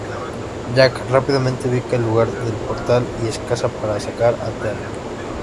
Jack rápidamente ubica el lugar del portal, y excava para sacar a Teal'c.